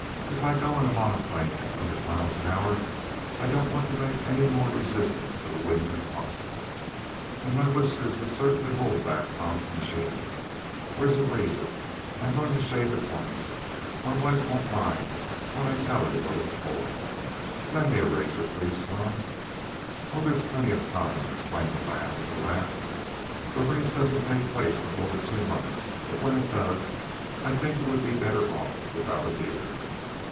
If I go in a monoplane at a hundred miles an hour I don't want to make any more resistance to the wind than possible, and my whiskers would certainly hold back Tom's machine. Where's a razor? I'm going to shave at once. My wife won't mind when I tell her what it's for. Lend me a razor, please, Tom." "Oh, there's plenty of time," explained the lad, with a laugh. "The race doesn't take place for over two months. But when it does, I think you would be better off without a beard."